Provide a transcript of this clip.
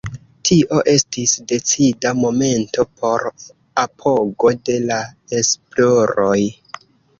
Tio estis decida momento por apogo de la esploroj.